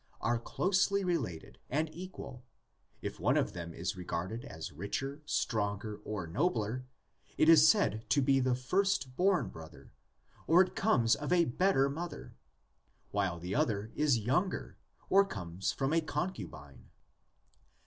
are closely related and equal; if one of them is regarded as richer, stronger, or nobler, it is said to be the firstborn brother, or it comes of a better mother, while the other is younger, or comes of a concubine.